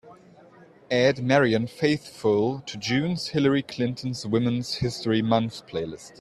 Add Marianne Faithfull to june's Hillary Clinton's Women's History Month Playlist.